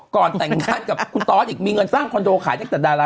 ก่อนแต่งการกับคุณทอทอีกมีเงินสร้างคอนโดขายจากตาลา